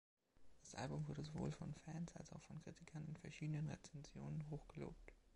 Das Album wurde sowohl von Fans als auch von Kritikern in verschiedenen Rezensionen hoch gelobt.